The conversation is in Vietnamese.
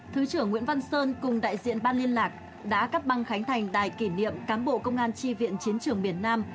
thứ trưởng nguyễn văn sơn cùng đại diện ban liên lạc đã cắt băng khánh thành đài kỷ niệm cán bộ công an tri viện chiến trường miền nam